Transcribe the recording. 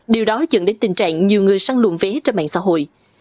điều đó dẫn đến tình trạng nhiều người săn luồn vé trên mạng xã hội